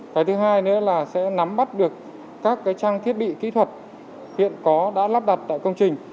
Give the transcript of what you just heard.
cái thứ hai nữa là sẽ nắm bắt được các trang thiết bị kỹ thuật hiện có đã lắp đặt tại công trình